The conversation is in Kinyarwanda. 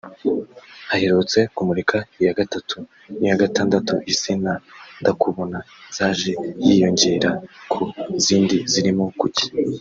Aherutse kumurika iya gatanu n’iya gatandatu [Isi na Ndakubona ] zaje yiyongera ku zindi zirimo Kuki